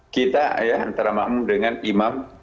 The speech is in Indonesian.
kita ya antara makmum dengan imam